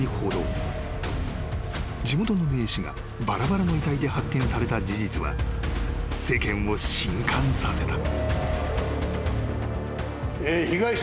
［地元の名士がばらばらの遺体で発見された事実は世間を震撼させた］